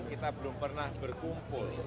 kita belum pernah berkumpul